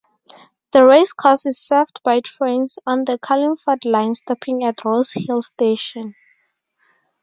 The racecourse is served by trains on the Carlingford line stopping at Rosehill station.